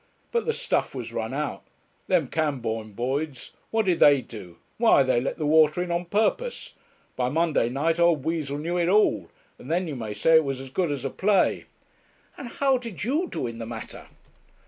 But the stuff was run out. Them Cambourne boys what did they do? Why, they let the water in on purpose. By Monday night old Weazle knew it all, and then you may say it was as good as a play.' 'And how did you do in the matter?'